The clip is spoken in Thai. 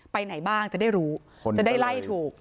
ไปไหนบ้างจะได้รู้จะได้ไล่ถูก